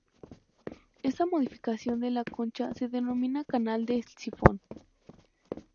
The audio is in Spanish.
Esta modificación de la concha se denomina canal del sifón.